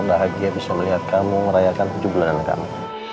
bahagia bisa melihat kamu merayakan tujuh bulan kamu